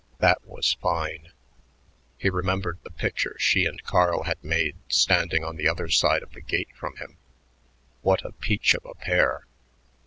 That was fine.... He remembered the picture she and Carl had made standing on the other side of the gate from him. "What a peach of a pair.